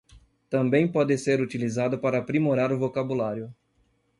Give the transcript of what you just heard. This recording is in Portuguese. Também pode ser utilizado para aprimorar o vocabulário